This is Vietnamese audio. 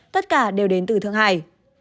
tất cả đều đến từ thượng hải